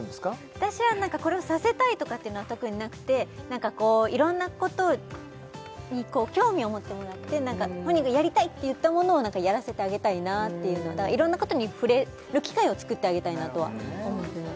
私はこれをさせたいとかってのは特になくていろんなことに興味を持ってもらって本人がやりたいって言ったものをやらせてあげたいなっていういろんなことに触れる機会を作ってあげたいなとは思ってます